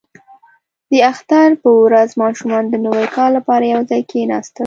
• د اختر په ورځ ماشومان د نوي کال لپاره یو ځای کښېناستل.